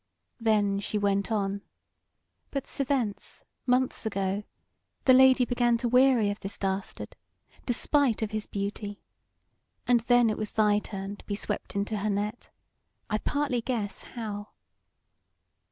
Then she went on: "But sithence, months ago, the Lady began to weary of this dastard, despite of his beauty; and then it was thy turn to be swept into her net; I partly guess how.